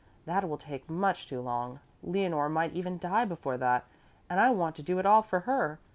That will take much too long. Leonore might even die before that, and I want to do it all for her.